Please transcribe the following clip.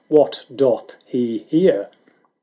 — what doth he here?"